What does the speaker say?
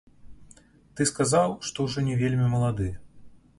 Ты сказаў, што ўжо не вельмі малады.